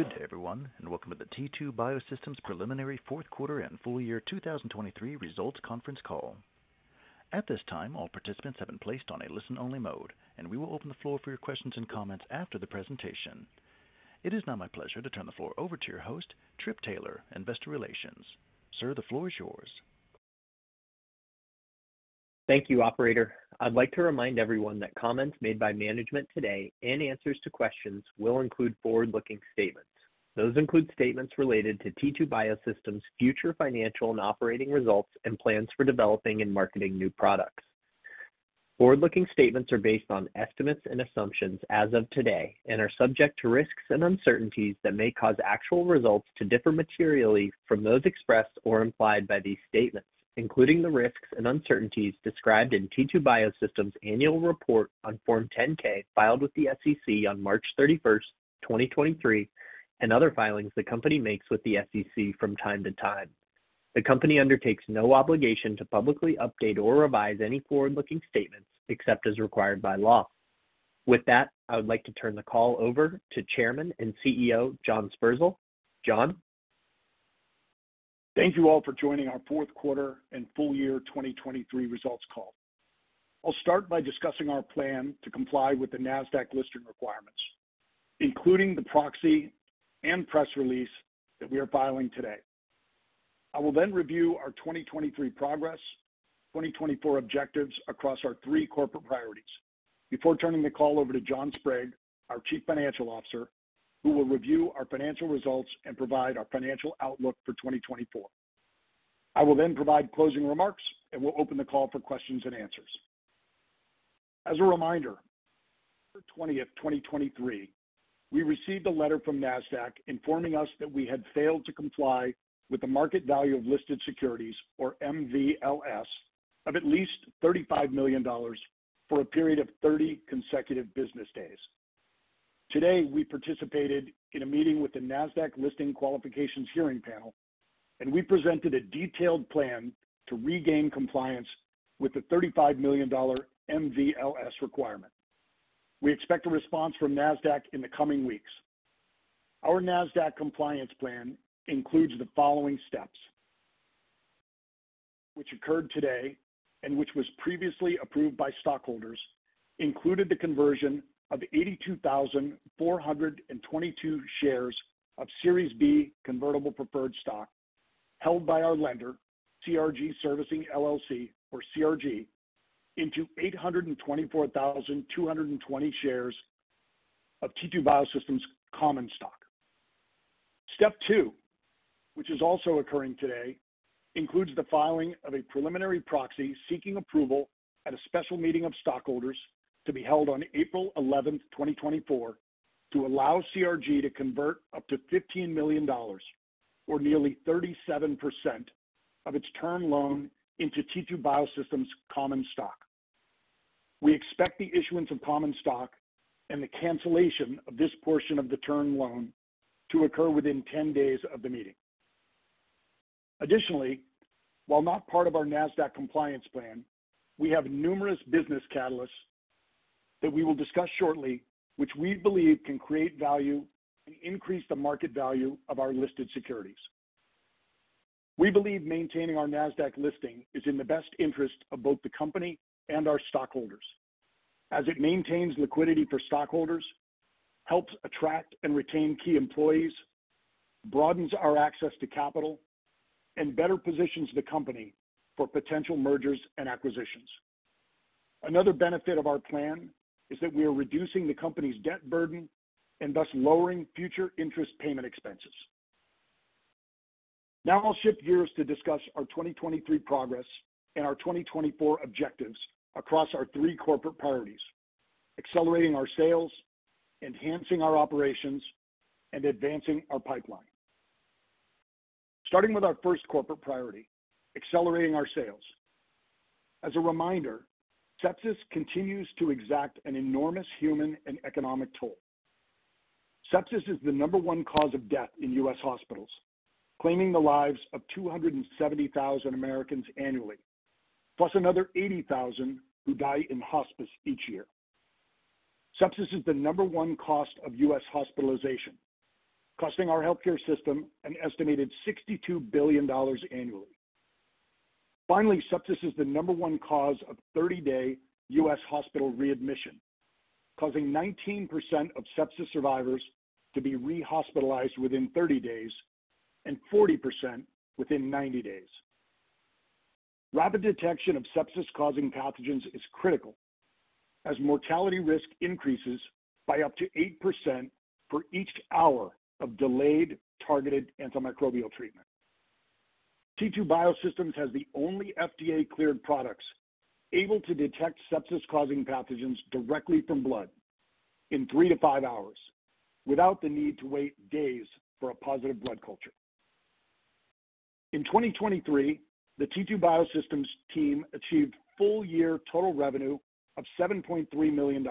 Good to everyone and welcome to the T2 Biosystems preliminary fourth quarter and full year 2023 results conference call. At this time, all participants have been placed on a listen-only mode, and we will open the floor for your questions and comments after the presentation. It is now my pleasure to turn the floor over to your host, Trip Taylor, Investor Relations. Sir, the floor is yours. Thank you, operator. I'd like to remind everyone that comments made by management today and answers to questions will include forward-looking statements. Those include statements related to T2 Biosystems' future financial and operating results and plans for developing and marketing new products. Forward-looking statements are based on estimates and assumptions as of today and are subject to risks and uncertainties that may cause actual results to differ materially from those expressed or implied by these statements, including the risks and uncertainties described in T2 Biosystems' annual report on Form 10-K filed with the SEC on March 31st, 2023, and other filings the company makes with the SEC from time to time. The company undertakes no obligation to publicly update or revise any forward-looking statements except as required by law. With that, I would like to turn the call over to Chairman and CEO John Sperzel. John? Thank you all for joining our fourth quarter and full year 2023 results call. I'll start by discussing our plan to comply with the Nasdaq listing requirements, including the proxy and press release that we are filing today. I will then review our 2023 progress, 2024 objectives across our three corporate priorities before turning the call over to John Sprague, our Chief Financial Officer, who will review our financial results and provide our financial outlook for 2024. I will then provide closing remarks and will open the call for questions and answers. As a reminder, November 20th, 2023, we received a letter from Nasdaq informing us that we had failed to comply with the market value of listed securities, or MVLS, of at least $35 million for a period of 30 consecutive business days. Today, we participated in a meeting with the Nasdaq Listing Qualifications Hearing Panel, and we presented a detailed plan to regain compliance with the $35 million MVLS requirement. We expect a response from Nasdaq in the coming weeks. Our Nasdaq compliance plan includes the following steps, which occurred today and which was previously approved by stockholders, included the conversion of 82,422 shares of Series B convertible preferred stock held by our lender, CRG Servicing LLC, or CRG, into 824,220 shares of T2 Biosystems common stock. Step two, which is also occurring today, includes the filing of a preliminary proxy seeking approval at a special meeting of stockholders to be held on April 11th, 2024, to allow CRG to convert up to $15 million, or nearly 37%, of its term loan into T2 Biosystems common stock. We expect the issuance of common stock and the cancellation of this portion of the term loan to occur within 10 days of the meeting. Additionally, while not part of our Nasdaq compliance plan, we have numerous business catalysts that we will discuss shortly, which we believe can create value and increase the market value of our listed securities. We believe maintaining our Nasdaq listing is in the best interest of both the company and our stockholders, as it maintains liquidity for stockholders, helps attract and retain key employees, broadens our access to capital, and better positions the company for potential mergers and acquisitions. Another benefit of our plan is that we are reducing the company's debt burden and thus lowering future interest payment expenses. Now I'll shift gears to discuss our 2023 progress and our 2024 objectives across our three corporate priorities: accelerating our sales, enhancing our operations, and advancing our pipeline. Starting with our first corporate priority, accelerating our sales. As a reminder, sepsis continues to exact an enormous human and economic toll. Sepsis is the number one cause of death in U.S. hospitals, claiming the lives of 270,000 Americans annually, plus another 80,000 who die in hospice each year. Sepsis is the number one cost of U.S. hospitalization, costing our healthcare system an estimated $62 billion annually. Finally, sepsis is the number one cause of 30-day U.S. hospital readmission, causing 19% of sepsis survivors to be rehospitalized within 30 days and 40% within 90 days. Rapid detection of sepsis-causing pathogens is critical, as mortality risk increases by up to 8% for each hour of delayed targeted antimicrobial treatment. T2 Biosystems has the only FDA-cleared products able to detect sepsis-causing pathogens directly from blood in three to five hours without the need to wait days for a positive blood culture. In 2023, the T2 Biosystems team achieved full-year total revenue of $7.3 million,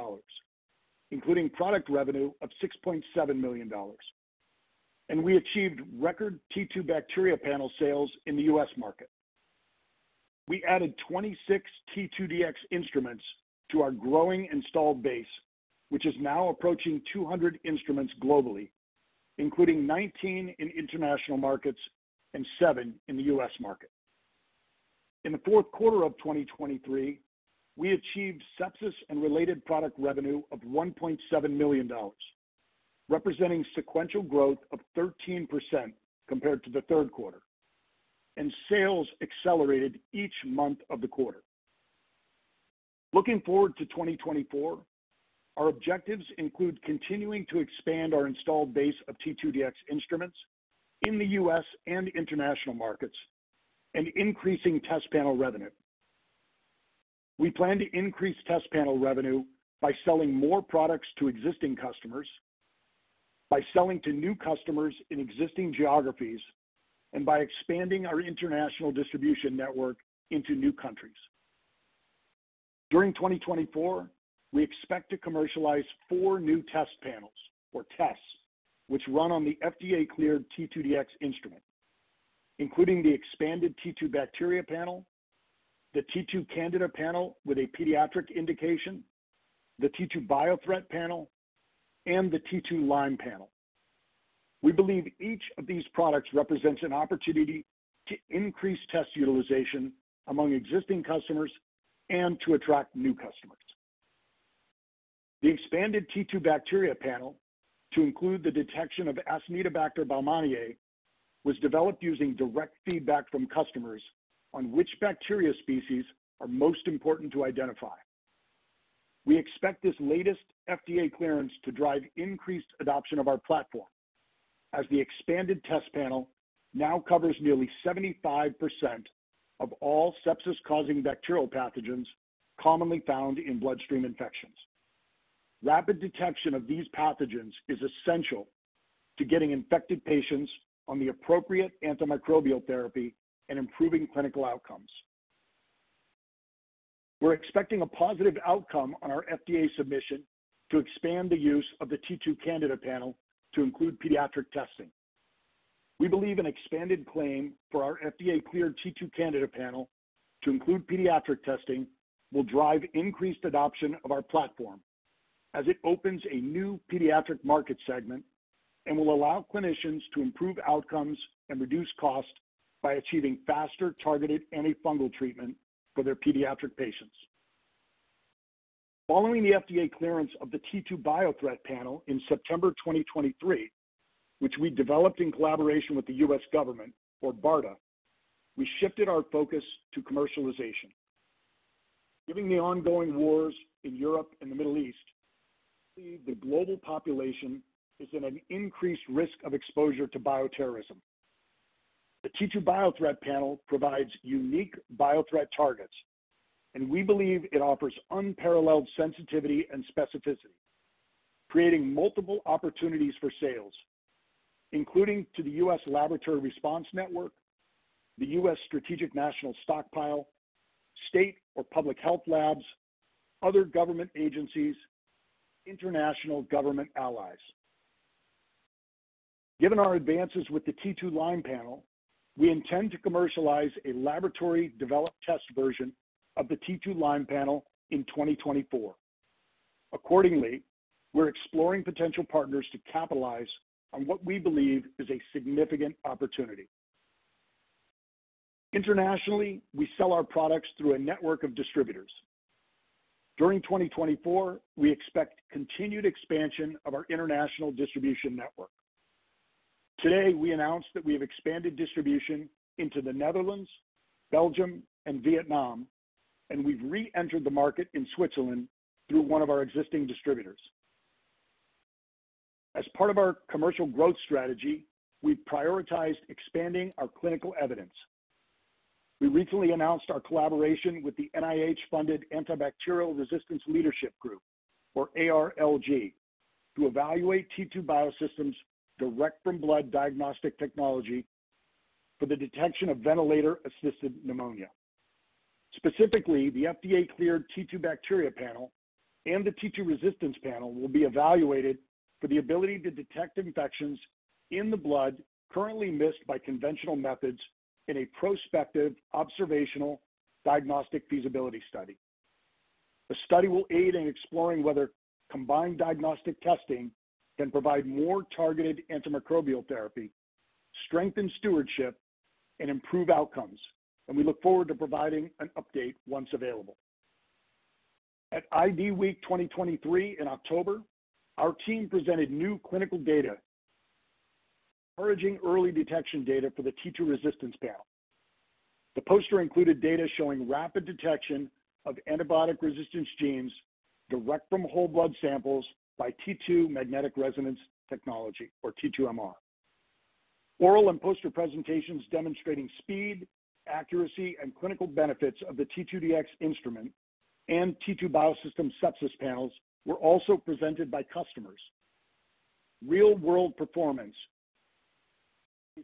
including product revenue of $6.7 million, and we achieved record T2Bacteria Panel sales in the U.S. market. We added 26 T2Dx instruments to our growing installed base, which is now approaching 200 instruments globally, including 19 in international markets and 7 in the U.S. market. In the fourth quarter of 2023, we achieved sepsis-and-related product revenue of $1.7 million, representing sequential growth of 13% compared to the third quarter, and sales accelerated each month of the quarter. Looking forward to 2024, our objectives include continuing to expand our installed base of T2Dx instruments in the U.S. and international markets and increasing test panel revenue. We plan to increase test panel revenue by selling more products to existing customers, by selling to new customers in existing geographies, and by expanding our international distribution network into new countries. During 2024, we expect to commercialize four new test panels, or tests, which run on the FDA-cleared T2Dx Instrument, including the expanded T2Bacteria Panel, the T2Candida Panel with a pediatric indication, the T2Biothreat Panel, and the T2Lyme Panel. We believe each of these products represents an opportunity to increase test utilization among existing customers and to attract new customers. The expanded T2Bacteria Panel, to include the detection of Acinetobacter baumannii, was developed using direct feedback from customers on which bacteria species are most important to identify. We expect this latest FDA clearance to drive increased adoption of our platform, as the expanded test panel now covers nearly 75% of all sepsis-causing bacterial pathogens commonly found in bloodstream infections. Rapid detection of these pathogens is essential to getting infected patients on the appropriate antimicrobial therapy and improving clinical outcomes. We're expecting a positive outcome on our FDA submission to expand the use of the T2Candida Panel to include pediatric testing. We believe an expanded claim for our FDA-cleared T2Candida Panel to include pediatric testing will drive increased adoption of our platform, as it opens a new pediatric market segment and will allow clinicians to improve outcomes and reduce costs by achieving faster targeted antifungal treatment for their pediatric patients. Following the FDA clearance of the T2Biothreat Panel in September 2023, which we developed in collaboration with the U.S. government, or BARDA, we shifted our focus to commercialization. Given the ongoing wars in Europe and the Middle East, the global population is in an increased risk of exposure to bioterrorism. The T2Biothreat Panel provides unique biothreat targets, and we believe it offers unparalleled sensitivity and specificity, creating multiple opportunities for sales, including to the U.S. Laboratory Response Network, the U.S. Strategic National Stockpile, state or public health labs, other government agencies, and international government allies. Given our advances with the T2Lyme Panel, we intend to commercialize a laboratory-developed test version of the T2Lyme Panel in 2024. Accordingly, we're exploring potential partners to capitalize on what we believe is a significant opportunity. Internationally, we sell our products through a network of distributors. During 2024, we expect continued expansion of our international distribution network. Today, we announced that we have expanded distribution into the Netherlands, Belgium, and Vietnam, and we've re-entered the market in Switzerland through one of our existing distributors. As part of our commercial growth strategy, we've prioritized expanding our clinical evidence. We recently announced our collaboration with the NIH-funded Antibacterial Resistance Leadership Group, or ARLG, to evaluate T2 Biosystems' direct-from-blood diagnostic technology for the detection of ventilator-associated pneumonia. Specifically, the FDA-cleared T2Bacteria Panel and the T2Resistance Panel will be evaluated for the ability to detect infections in the blood currently missed by conventional methods in a prospective, observational, diagnostic feasibility study. The study will aid in exploring whether combined diagnostic testing can provide more targeted antimicrobial therapy, strengthen stewardship, and improve outcomes, and we look forward to providing an update once available. At IDWeek 2023 in October, our team presented new clinical data, encouraging early detection data for the T2Resistance Panel. The poster included data showing rapid detection of antibiotic-resistance genes direct from whole blood samples by T2 magnetic resonance technology, or T2MR. Oral and poster presentations demonstrating speed, accuracy, and clinical benefits of the T2Dx Instrument and T2 Biosystems sepsis panels were also presented by customers. Real-world performance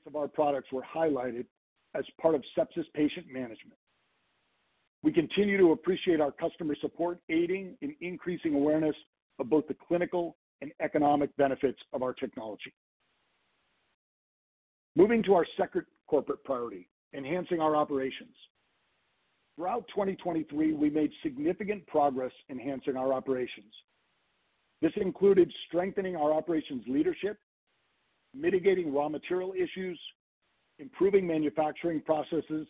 of our products was highlighted as part of sepsis patient management. We continue to appreciate our customer support aiding in increasing awareness of both the clinical and economic benefits of our technology. Moving to our second corporate priority, enhancing our operations. Throughout 2023, we made significant progress enhancing our operations. This included strengthening our operations leadership, mitigating raw material issues, improving manufacturing processes,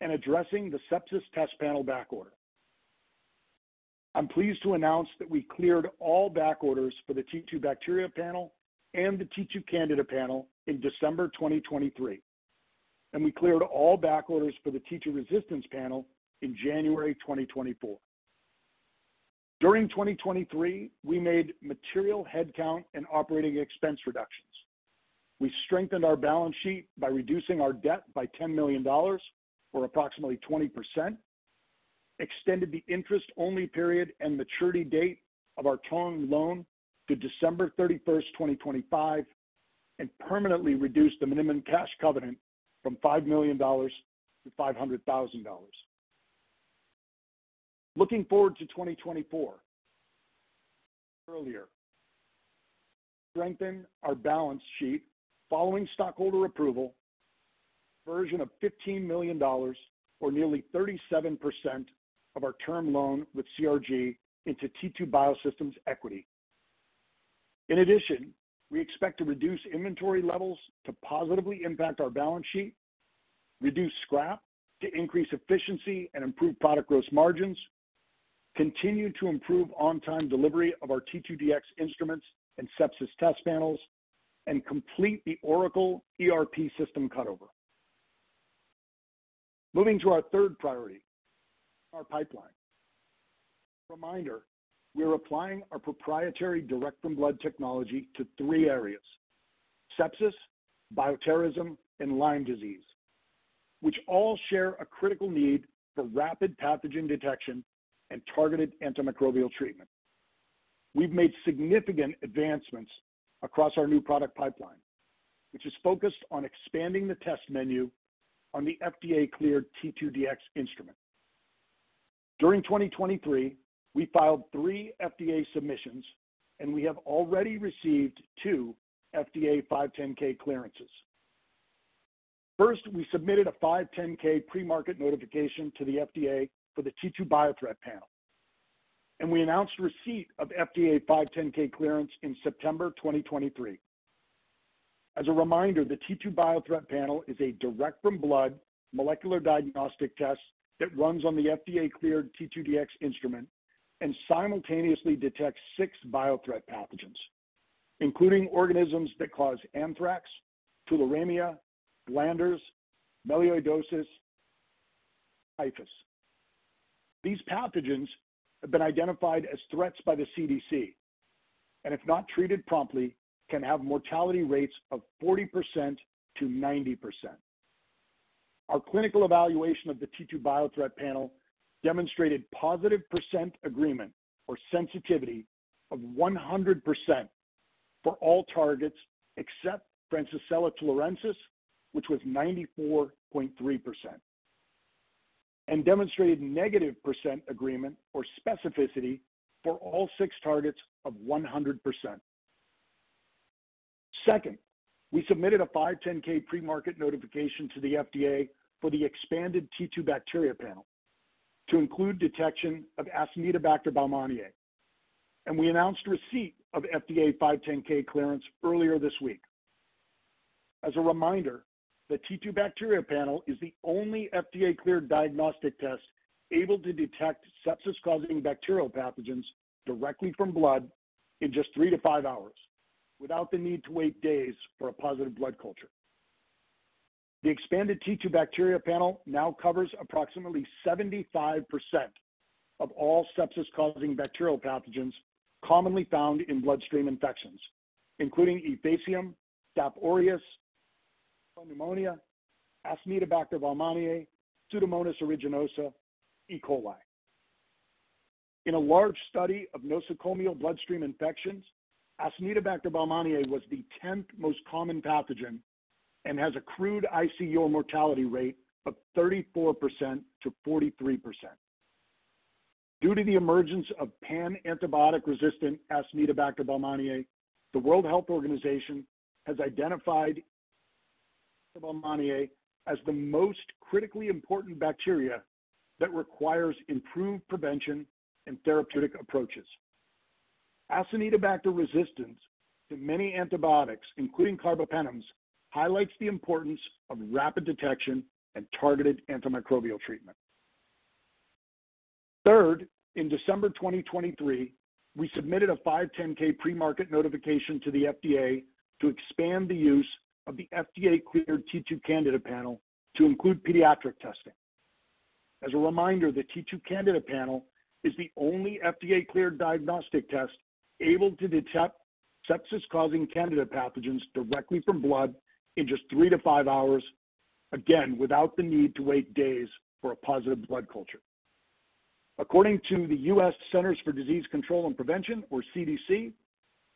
and addressing the sepsis test panel backorder. I'm pleased to announce that we cleared all backorders for the T2Bacteria Panel and the T2Candida Panel in December 2023, and we cleared all backorders for the T2Resistance Panel in January 2024. During 2023, we made material headcount and operating expense reductions. We strengthened our balance sheet by reducing our debt by $10 million, or approximately 20%, extended the interest-only period and maturity date of our term loan to December 31st, 2025, and permanently reduced the minimum cash covenant from $5 million to $500,000. Looking forward to 2024, we strengthen our balance sheet following stockholder approval, converting a version of $15 million, or nearly 37%, of our term loan with CRG into T2 Biosystems equity. In addition, we expect to reduce inventory levels to positively impact our balance sheet, reduce scrap to increase efficiency and improve product gross margins, continue to improve on-time delivery of our T2Dx instruments and sepsis test panels, and complete the Oracle ERP system cutover. Moving to our third priority, our pipeline. Reminder: we are applying our proprietary direct-from-blood technology to three areas: sepsis, bioterrorism, and Lyme disease, which all share a critical need for rapid pathogen detection and targeted antimicrobial treatment. We've made significant advancements across our new product pipeline, which is focused on expanding the test menu on the FDA-cleared T2Dx Instrument. During 2023, we filed three FDA submissions, and we have already received two FDA 510(k) clearances. First, we submitted a 510(k) pre-market notification to the FDA for the T2Biothreat Panel, and we announced receipt of FDA 510(k) clearance in September 2023. As a reminder, the T2Biothreat Panel is a direct-from-blood molecular diagnostic test that runs on the FDA-cleared T2Dx Instrument and simultaneously detects six biothreat pathogens, including organisms that cause anthrax, tularemia, glanders, melioidosis, and typhus. These pathogens have been identified as threats by the CDC and, if not treated promptly, can have mortality rates of 40%-90%. Our clinical evaluation of the T2Biothreat Panel demonstrated positive percent agreement, or sensitivity, of 100% for all targets except Francisella tularensis, which was 94.3%, and demonstrated negative percent agreement, or specificity, for all six targets of 100%. Second, we submitted a 510(k) pre-market notification to the FDA for the expanded T2Bacteria Panel to include detection of Acinetobacter baumannii, and we announced receipt of FDA 510(k) clearance earlier this week. As a reminder, the T2Bacteria Panel is the only FDA-cleared diagnostic test able to detect sepsis-causing bacterial pathogens directly from blood in just three to five hours, without the need to wait days for a positive blood culture. The expanded T2Bacteria Panel now covers approximately 75% of all sepsis-causing bacterial pathogens commonly found in bloodstream infections, including Enterococcus faecium, Staphylococcus aureus, Klebsiella pneumoniae, Acinetobacter baumannii, Pseudomonas aeruginosa, and E. coli. In a large study of nosocomial bloodstream infections, Acinetobacter baumannii was the 10th most common pathogen and has a crude ICU or mortality rate of 34%-43%. Due to the emergence of pan-antibiotic-resistant Acinetobacter baumannii, the World Health Organization has identified Acinetobacter baumannii as the most critically important bacteria that requires improved prevention and therapeutic approaches. Acinetobacter resistance to many antibiotics, including carbapenems, highlights the importance of rapid detection and targeted antimicrobial treatment. Third, in December 2023, we submitted a 510(k) pre-market notification to the FDA to expand the use of the FDA-cleared T2Candida Panel to include pediatric testing. As a reminder, the T2Candida Panel is the only FDA-cleared diagnostic test able to detect sepsis-causing Candida pathogens directly from blood in just 3-5 hours, again, without the need to wait days for a positive blood culture. According to the U.S. Centers for Disease Control and Prevention, or CDC,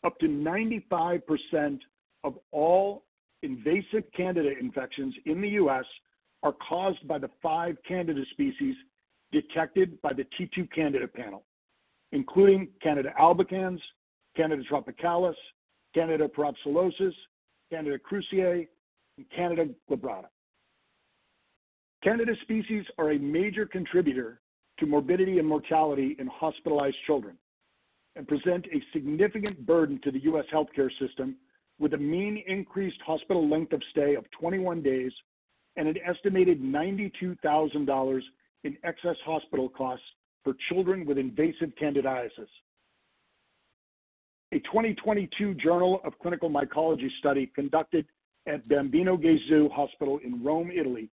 up to 95% of all invasive Candida infections in the U.S. are caused by the five Candida species detected by the T2Candida Panel, including Candida albicans, Candida tropicalis, Candida parapsilosis, Candida krusei, and Candida glabrata. Candida species are a major contributor to morbidity and mortality in hospitalized children and present a significant burden to the U.S. healthcare system, with a mean increased hospital length of stay of 21 days and an estimated $92,000 in excess hospital costs for children with invasive candidiasis. A 2022 Journal of Clinical Mycology study conducted at Bambino Gesù Hospital in Rome, Italy,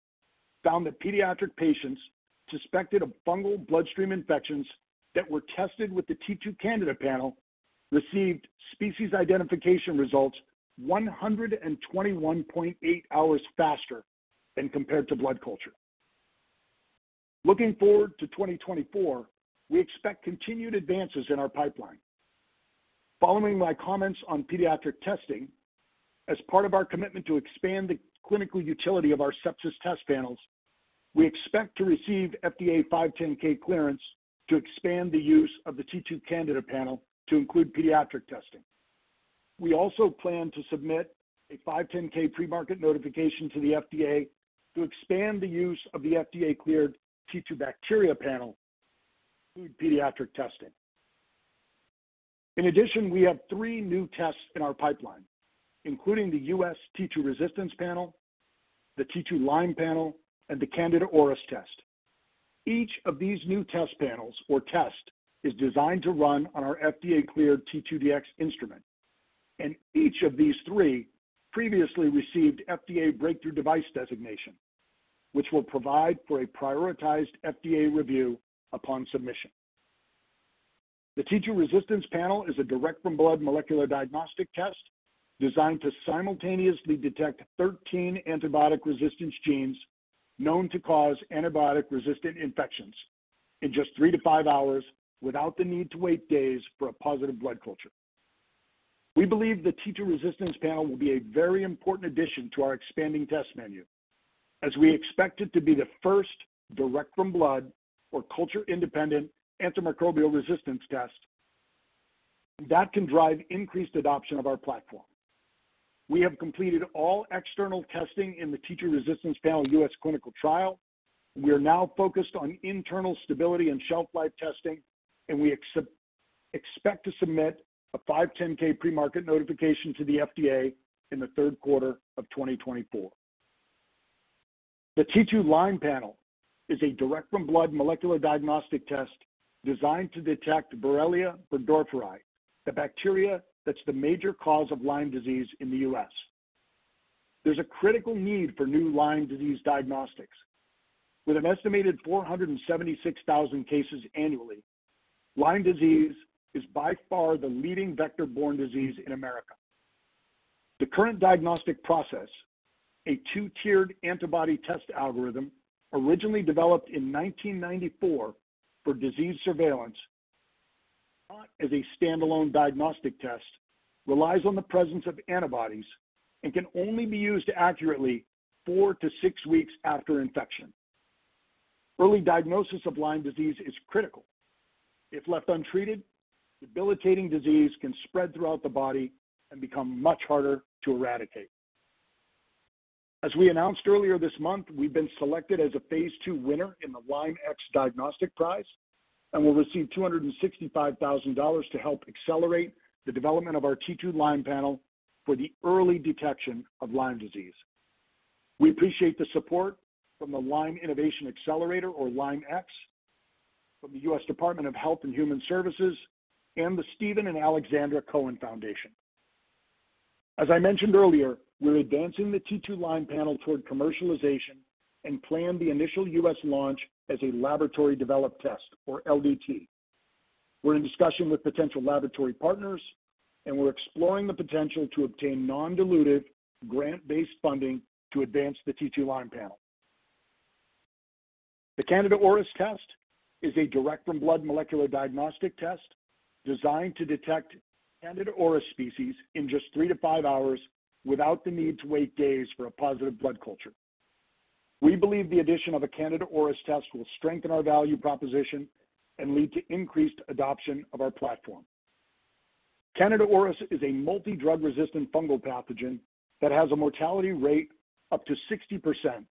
found that pediatric patients suspected of fungal bloodstream infections that were tested with the T2Candida Panel received species identification results 121.8 hours faster than compared to blood culture. Looking forward to 2024, we expect continued advances in our pipeline. Following my comments on pediatric testing, as part of our commitment to expand the clinical utility of our sepsis test panels, we expect to receive FDA 510(k) clearance to expand the use of the T2Candida Panel to include pediatric testing. We also plan to submit a 510(k) pre-market notification to the FDA to expand the use of the FDA-cleared T2Bacteria Panel to include pediatric testing. In addition, we have three new tests in our pipeline, including the T2Resistance Panel, the T2Lyme Panel, and the Candida auris test. Each of these new test panels, or tests, is designed to run on our FDA-cleared T2Dx Instrument, and each of these three previously received FDA Breakthrough Device Designation, which we'll provide for a prioritized FDA review upon submission. The T2Resistance Panel is a direct-from-blood molecular diagnostic test designed to simultaneously detect 13 antibiotic-resistance genes known to cause antibiotic-resistant infections in just three to five hours, without the need to wait days for a positive blood culture. We believe the T2Resistance Panel will be a very important addition to our expanding test menu, as we expect it to be the first direct-from-blood, or culture-independent, antimicrobial resistance test that can drive increased adoption of our platform. We have completed all external testing in the T2Resistance Panel U.S. clinical trial. We are now focused on internal stability and shelf-life testing, and we expect to submit a 510(k) pre-market notification to the FDA in the third quarter of 2024. The T2Lyme Panel is a direct-from-blood molecular diagnostic test designed to detect Borrelia burgdorferi, the bacteria that's the major cause of Lyme disease in the U.S. There's a critical need for new Lyme disease diagnostics. With an estimated 476,000 cases annually, Lyme disease is by far the leading vector-borne disease in America. The current diagnostic process, a two-tiered antibody test algorithm originally developed in 1994 for disease surveillance, is not a standalone diagnostic test, relies on the presence of antibodies, and can only be used accurately four to six weeks after infection. Early diagnosis of Lyme disease is critical. If left untreated, debilitating disease can spread throughout the body and become much harder to eradicate. As we announced earlier this month, we've been selected as a phase II winner in the LymeX Diagnostic Prize and will receive $265,000 to help accelerate the development of our T2 Lyme panel for the early detection of Lyme disease. We appreciate the support from the Lyme Innovation Accelerator, or LymeX, from the U.S. Department of Health and Human Services, and the Steven and Alexandra Cohen Foundation. As I mentioned earlier, we're advancing the T2 Lyme panel toward commercialization and plan the initial U.S. launch as a laboratory-developed test, or LDT. We're in discussion with potential laboratory partners, and we're exploring the potential to obtain non-dilutive, grant-based funding to advance the T2 Lyme panel. The Candida auris test is a direct-from-blood molecular diagnostic test designed to detect Candida auris species in just 3-5 hours, without the need to wait days for a positive blood culture. We believe the addition of a Candida auris test will strengthen our value proposition and lead to increased adoption of our platform. Candida auris is a multi-drug-resistant fungal pathogen that has a mortality rate up to 60%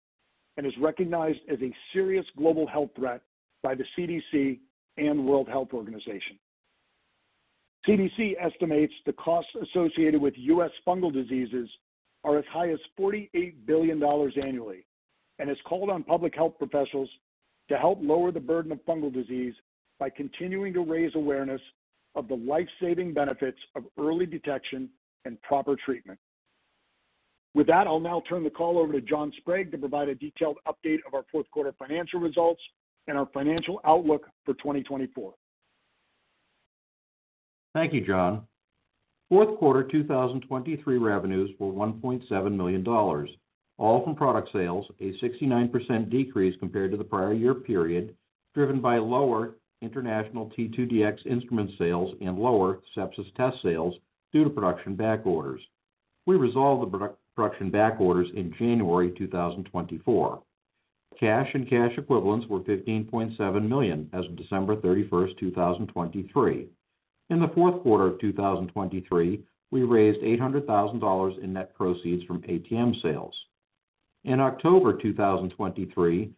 and is recognized as a serious global health threat by the CDC and World Health Organization. CDC estimates the costs associated with U.S. fungal diseases are as high as $48 billion annually and has called on public health professionals to help lower the burden of fungal disease by continuing to raise awareness of the lifesaving benefits of early detection and proper treatment. With that, I'll now turn the call over to John Sprague to provide a detailed update of our fourth quarter financial results and our financial outlook for 2024. Thank you, John. Fourth quarter 2023 revenues were $1.7 million, all from product sales, a 69% decrease compared to the prior year period driven by lower international T2Dx instrument sales and lower sepsis test sales due to production backorders. We resolved the production backorders in January 2024. Cash and cash equivalents were $15.7 million as of December 31, 2023. In the fourth quarter of 2023, we raised $800,000 in net proceeds from ATM sales. In October 2023,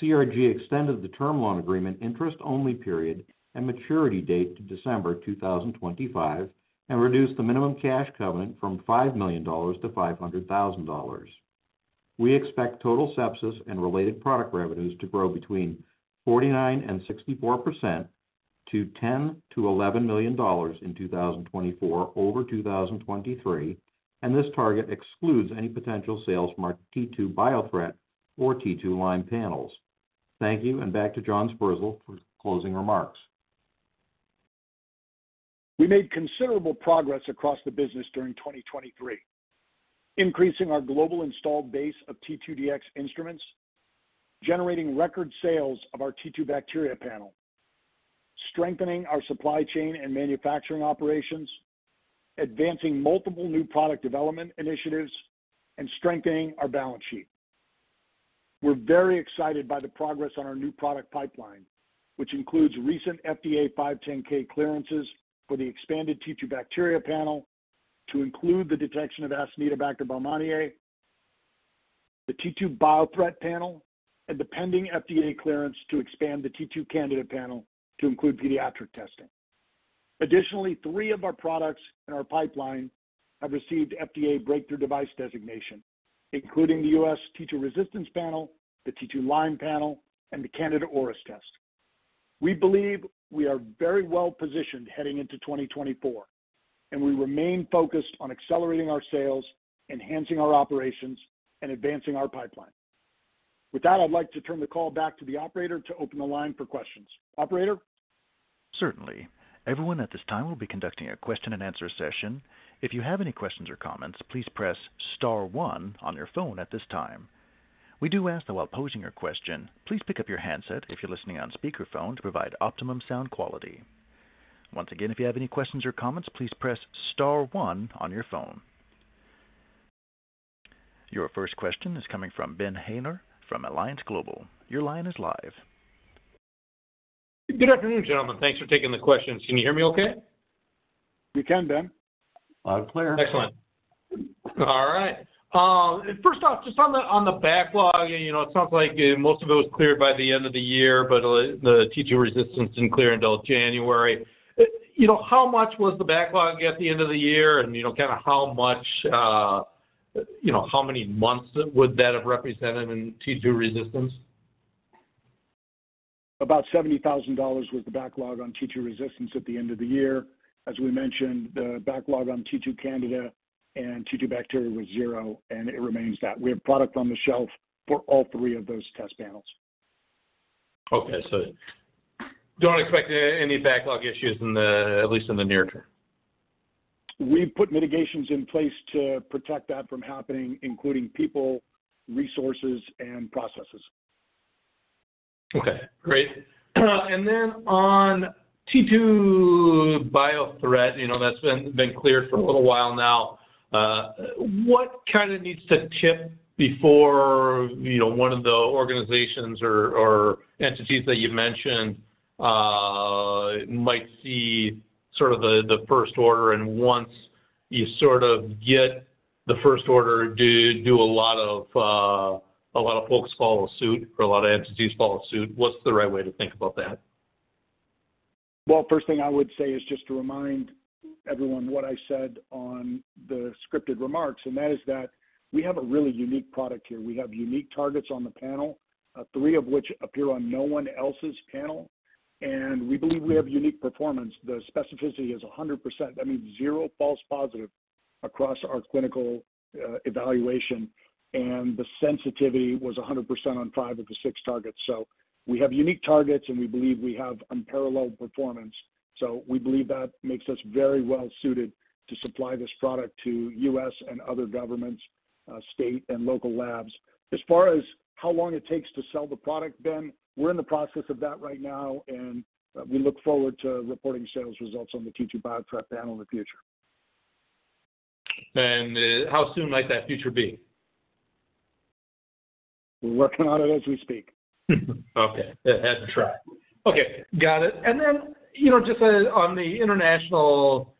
CRG extended the term loan agreement interest-only period and maturity date to December 2025 and reduced the minimum cash covenant from $5 million to $500,000. We expect total sepsis and related product revenues to grow between 49% and 64% to $10-$11 million in 2024 over 2023, and this target excludes any potential sales from our T2BioThreat or T2Lyme panels. Thank you, and back to John Sperzel for closing remarks. We made considerable progress across the business during 2023: increasing our global installed base of T2Dx instruments, generating record sales of our T2Bacteria Panel, strengthening our supply chain and manufacturing operations, advancing multiple new product development initiatives, and strengthening our balance sheet. We're very excited by the progress on our new product pipeline, which includes recent FDA 510(k) clearances for the expanded T2Bacteria Panel to include the detection of Acinetobacter baumannii, the T2Biothreat Panel, and the pending FDA clearance to expand the T2Candida Panel to include pediatric testing. Additionally, three of our products in our pipeline have received FDA Breakthrough Device Designation, including the T2Resistance Panel, the T2Lyme Panel, and the Candida auris test. We believe we are very well positioned heading into 2024, and we remain focused on accelerating our sales, enhancing our operations, and advancing our pipeline. With that, I'd like to turn the call back to the operator to open the line for questions. Operator? Certainly. Everyone at this time will be conducting a question-and-answer session. If you have any questions or comments, please press star one on your phone at this time. We do ask that while posing your question, please pick up your handset if you're listening on speakerphone to provide optimum sound quality. Once again, if you have any questions or comments, please press star one on your phone. Your first question is coming from Ben Haynor from Alliance Global Partners. Your line is live. Good afternoon, gentlemen. Thanks for taking the questions. Can you hear me okay? We can, Ben. Loud and clear. Excellent. All right. First off, just on the backlog, it sounds like most of it was cleared by the end of the year, but the T2Resistance didn't clear until January. How much was the backlog at the end of the year, and kind of how much, how many months would that have represented in T2Resistance? About $70,000 was the backlog on T2Resistance at the end of the year. As we mentioned, the backlog on T2Candida and T2Bacteria was zero, and it remains that. We have product on the shelf for all three of those test panels. Okay. So don't expect any backlog issues, at least in the near term? We've put mitigations in place to protect that from happening, including people, resources, and processes. Okay. Great. And then on T2BioThreat, that's been cleared for a little while now. What kind of needs to tip before one of the organizations or entities that you mentioned might see sort of the first order? And once you sort of get the first order, do a lot of folks follow suit, or a lot of entities follow suit. What's the right way to think about that? Well, first thing I would say is just to remind everyone what I said on the scripted remarks, and that is that we have a really unique product here. We have unique targets on the panel, three of which appear on no one else's panel, and we believe we have unique performance. The specificity is 100%. That means zero false positive across our clinical evaluation, and the sensitivity was 100% on five of the six targets. So we have unique targets, and we believe we have unparalleled performance. So we believe that makes us very well suited to supply this product to U.S. and other governments, state, and local labs. As far as how long it takes to sell the product, Ben, we're in the process of that right now, and we look forward to reporting sales results on the T2Biothreat Panel in the future. And how soon might that future be? We're working on it as we speak. Okay. Head and try. Okay. Got it. And then just on the international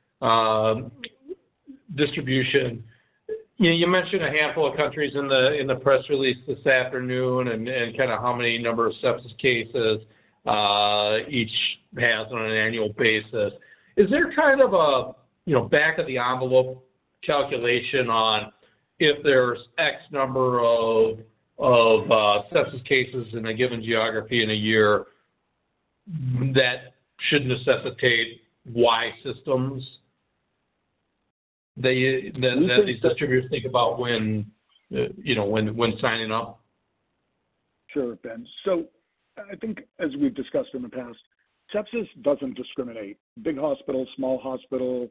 distribution, you mentioned a handful of countries in the press release this afternoon and kind of how many number of sepsis cases each has on an annual basis. Is there kind of a back-of-the-envelope calculation on if there's X number of sepsis cases in a given geography in a year that should necessitate Y systems that these distributors think about when signing up? Sure, Ben. So I think, as we've discussed in the past, sepsis doesn't discriminate: big hospital, small hospital,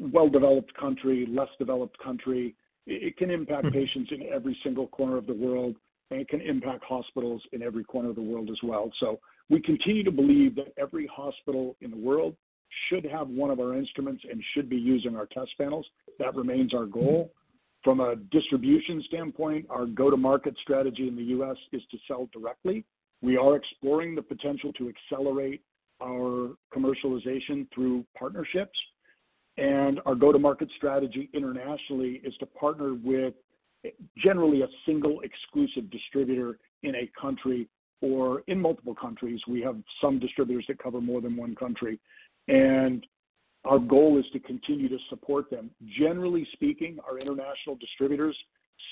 well-developed country, less developed country. It can impact patients in every single corner of the world, and it can impact hospitals in every corner of the world as well. So we continue to believe that every hospital in the world should have one of our instruments and should be using our test panels. That remains our goal. From a distribution standpoint, our go-to-market strategy in the U.S. is to sell directly. We are exploring the potential to accelerate our commercialization through partnerships, and our go-to-market strategy internationally is to partner with generally a single exclusive distributor in a country, or in multiple countries. We have some distributors that cover more than one country, and our goal is to continue to support them. Generally speaking, our international distributors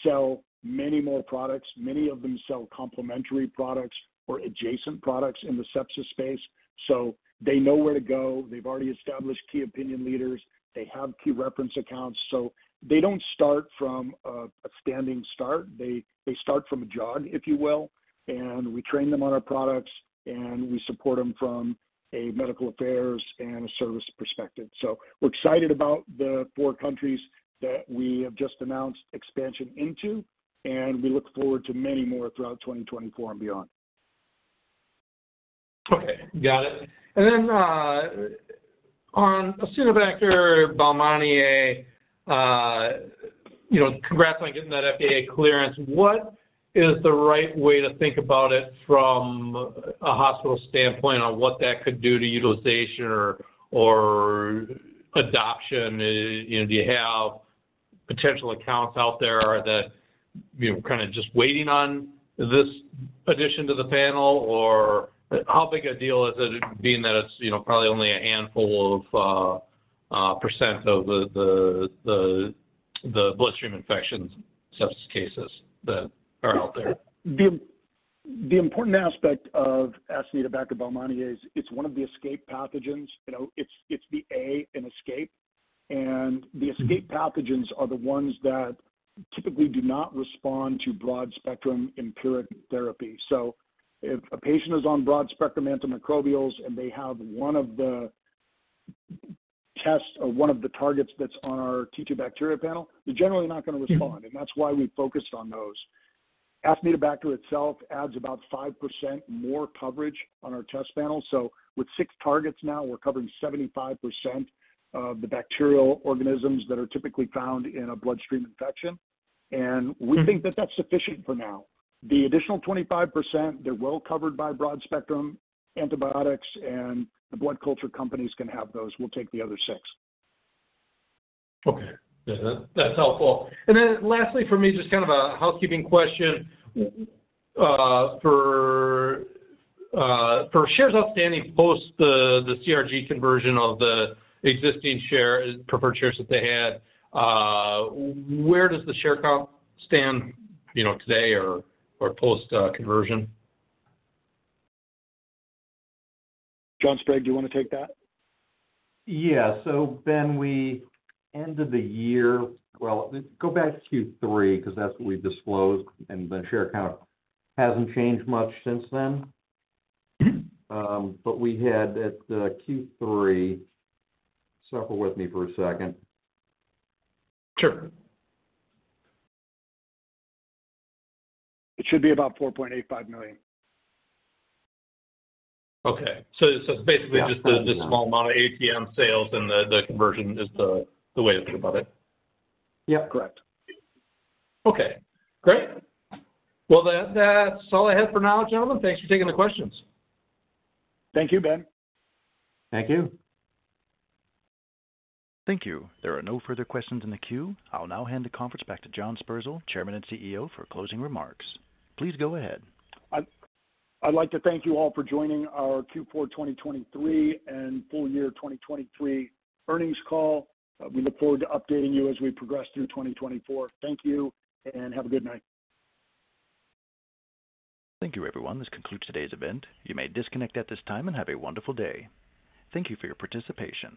sell many more products. Many of them sell complementary products or adjacent products in the sepsis space, so they know where to go. They've already established key opinion leaders. They have key reference accounts. So they don't start from a standing start. They start from a jog, if you will, and we train them on our products, and we support them from a medical affairs and a service perspective. So we're excited about the four countries that we have just announced expansion into, and we look forward to many more throughout 2024 and beyond. Okay. Got it. And then on Acinetobacter baumannii, congrats on getting that FDA clearance. What is the right way to think about it from a hospital standpoint on what that could do to utilization or adoption? Do you have potential accounts out there that are kind of just waiting on this addition to the panel, or how big a deal is it, being that it's probably only a handful of percent of the bloodstream infection sepsis cases that are out there? The important aspect of Acinetobacter baumannii is it's one of the ESKAPE pathogens. It's the A in ESKAPE, and the ESKAPE pathogens are the ones that typically do not respond to broad-spectrum empiric therapy. So if a patient is on broad-spectrum antimicrobials and they have one of the tests or one of the targets that's on our T2Bacteria Panel, they're generally not going to respond, and that's why we focused on those. Acinetobacter itself adds about 5% more coverage on our test panel. So with six targets now, we're covering 75% of the bacterial organisms that are typically found in a bloodstream infection, and we think that that's sufficient for now. The additional 25%, they're well covered by broad-spectrum antibiotics, and the blood culture companies can have those. We'll take the other six. Okay. That's helpful. And then lastly, for me, just kind of a housekeeping question. For shares outstanding post the CRG conversion of the existing preferred shares that they had, where does the share count stand today or post conversion? John Sprague, do you want to take that? Yeah. So, Ben, we ended the year well. Go back to Q3 because that's what we disclosed, and the share count hasn't changed much since then. But we had at Q3, share with me for a second. Sure. It should be about 4.85 million. Okay. So it's basically just the small amount of ATM sales, and the conversion is the way to think about it. Yep. Correct. Okay. Great. Well, that's all I had for now, gentlemen. Thanks for taking the questions. Thank you, Ben. Thank you. Thank you. There are no further questions in the queue. I'll now hand the conference back to John Sperzel, Chairman and CEO, for closing remarks. Please go ahead. I'd like to thank you all for joining our Q4 2023 and full year 2023 earnings call. We look forward to updating you as we progress through 2024. Thank you, and have a good night. Thank you, everyone. This concludes today's event. You may disconnect at this time and have a wonderful day. Thank you for your participation.